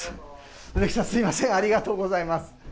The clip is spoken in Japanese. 植木さん、すみません、ありがとうございます。